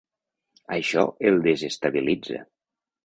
Això el desestabilitza.